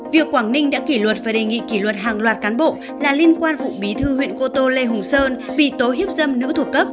việc quảng ninh đã kỷ luật và đề nghị kỷ luật hàng loạt cán bộ là liên quan vụ bí thư huyện cô tô lê hùng sơn bị tố hiếp dâm nữ thuộc cấp